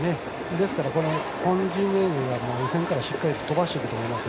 ですから、予選からしっかりと飛ばしてくると思います。